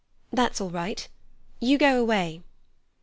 "That's all right. You go away."